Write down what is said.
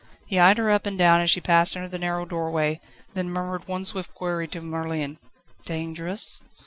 He eyed her up and down as she passed under the narrow doorway, then murmured one swift query to Merlin: "Dangerous?"